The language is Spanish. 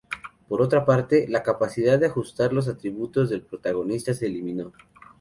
Por otra parte, la capacidad de ajustar los atributos del protagonista se eliminó.